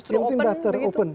nggak yang penting daftar open